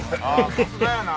さすがやな。